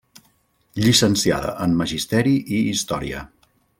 Llicenciada en Magisteri i història.